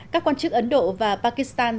các quan chức ấn độ và pakistan